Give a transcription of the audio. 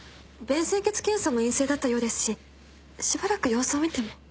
便潜血検査も陰性だったようですししばらく様子を見ても。